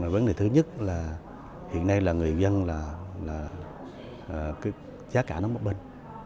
vấn đề thứ nhất là hiện nay là người dân là giá cả nó một bên